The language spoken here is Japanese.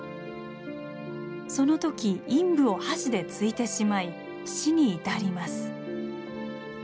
その時陰部を箸で突いてしまい死に至ります。